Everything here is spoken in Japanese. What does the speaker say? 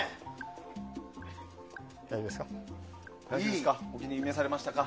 大丈夫ですか？